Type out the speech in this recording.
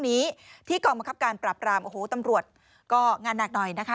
นี้ที่กองบังคับการปราบรามโอ้โหตำรวจก็งานหนักหน่อยนะคะ